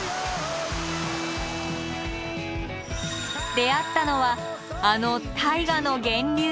出会ったのはあの大河の源流。